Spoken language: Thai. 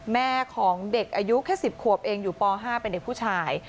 แม่ของเด็กอายุแค่๑๐ขวบเองอยู่ป๕เป็นเด็กผู้ชาย